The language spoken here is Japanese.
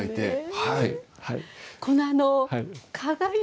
はい。